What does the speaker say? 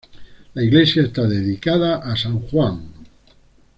La iglesia está dedicada a San Juan.